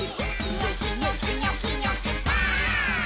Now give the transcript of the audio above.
「ニョキニョキニョキニョキバーン！」